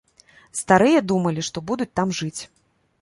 Старыя думалі, што будуць там жыць.